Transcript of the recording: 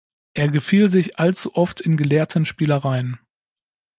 Er gefiel sich allzu oft in gelehrten Spielereien.